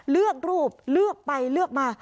เลือกรูปเลือกไปเลือกมา